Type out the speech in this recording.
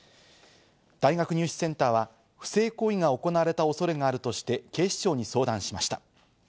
大学入試センターは不正行為が行われた恐れがあるとして警視庁に相談しました。